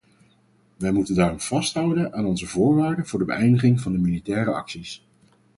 Wij moeten daarom vasthouden aan onze voorwaarden voor de beëindiging van de militaire acties.